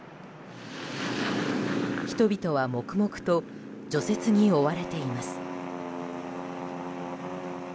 人々は黙々と除雪に追われています。